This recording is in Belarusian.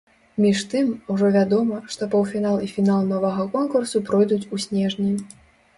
Між тым, ужо вядома, што паўфінал і фінал новага конкурсу пройдуць у снежні.